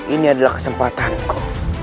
ini adalah kesempatanku